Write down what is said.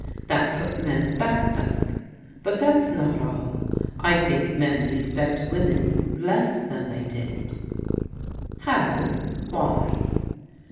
That put men's backs up. But that's not all. I think men respect women less than they did. "How? Why?"